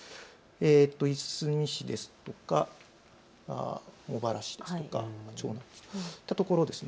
いすみ市ですとか、茂原市ですとか、そういったところです。